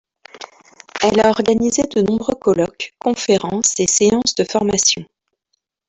Elle a organisé de nombreux colloques, conférences et séances de formation.